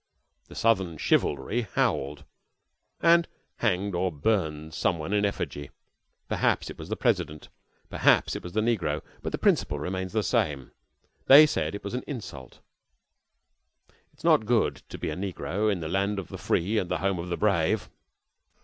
The Southern chivalry howled, and hanged or burned some one in effigy. Perhaps it was the President, and perhaps it was the negro but the principle remains the same. They said it was an insult. It is not good to be a negro in the land of the free and the home of the brave.